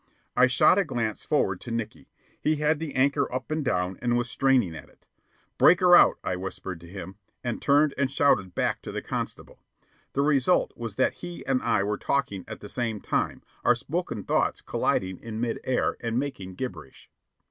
I shot a glance forward to Nickey. He had the anchor up and down and was straining at it. "Break her out," I whispered to him, and turned and shouted back to the constable. The result was that he and I were talking at the same time, our spoken thoughts colliding in mid air and making gibberish.